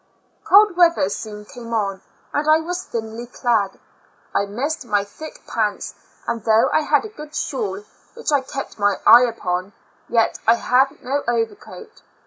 Cold weather soon came on, and I was thinly clad. I missed my thick pants, and though I had a good shawl, which I kept my eye upon, yet I had no overcoat.